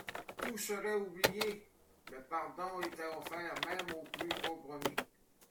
Tout serait oublié, le pardon était offert même aux plus compromis.